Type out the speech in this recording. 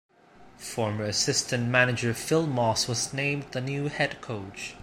Former assistant manager Phil Moss was named the new head coach.